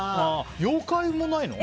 妖怪もないの？